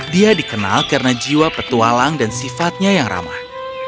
dia dikenal karena jiwa petualang dan sifatnya yang ramah